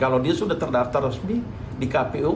kalau dia sudah terdaftar resmi di kpu